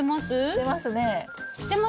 してますね。